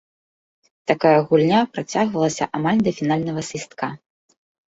Такая гульня працягвалася амаль да фінальнага свістка.